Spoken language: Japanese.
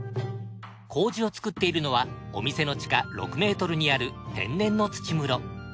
糀を作っているのはお店の地下６ｍにある天然の土室。